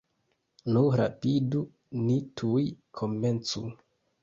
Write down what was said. Nu, rapidu, ni tuj komencu!